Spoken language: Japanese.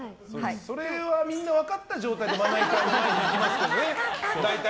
それはみんな分かった状態でいきますけどね、大体。